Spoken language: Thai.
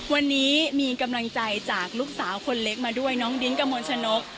วันนี้มีกำลังใจจากลูกสาวคนเล็กมาด้วยน้องดิ้นกระมวลชนก